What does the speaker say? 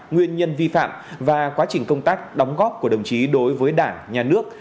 nguyên nhân vi phạm và quá trình công tác đóng góp của đồng chí đối với đảng nhà nước